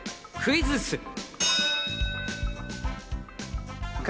クイズッス！